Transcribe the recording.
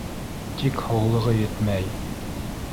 Тик һаулығы етмәй.